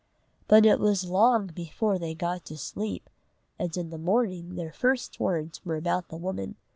But it was long before they got to sleep, and in the morning their first words were about the woman.